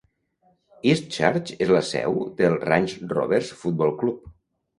Eastchurch és la seu del Range Rovers Football Club.